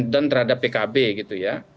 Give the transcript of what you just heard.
dan terhadap pkb gitu ya